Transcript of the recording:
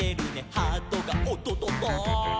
「ハートがおっとっとっと」